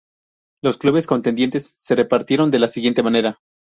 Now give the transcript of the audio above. Los clubes contendientes se repartieron de la siguiente manera.